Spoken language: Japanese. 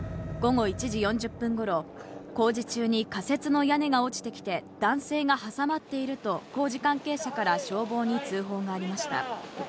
午後１時４０分ごろ、工事中に仮設の屋根が落ちてきて、男性が挟まっていると、工事関係者から消防に通報がありました。